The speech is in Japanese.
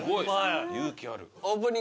勇気ある。